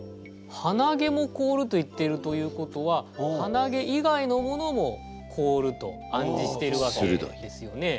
「はなげも凍る」と言っているということははなげ以外のものも凍ると暗示しているわけですよね。